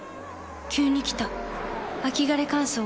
急に来た秋枯れ乾燥。